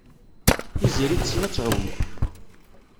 Tiziri tessen ad tɛum.